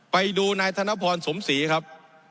ไปดูนายธนพรสมศรีครับ